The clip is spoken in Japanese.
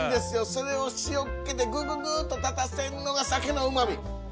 それを塩っ気でぐぐぐっと立たせるのが鮭のうまみ。